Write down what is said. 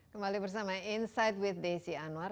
kembali bersama insight with desi anwar